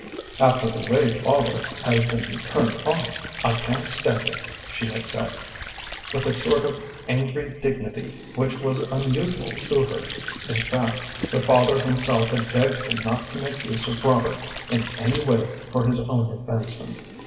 "After the way father has been turned off, I can't stand it," she had said, with a sort of angry dignity which was unusual to her. In fact, her father himself had begged her not to make use of Robert in any way for his own advancement.